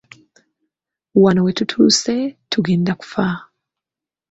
Wano we tutuuse tugenda kufa.